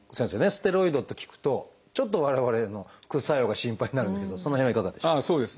ステロイドって聞くとちょっと我々副作用が心配になるんですがその辺はいかがでしょう？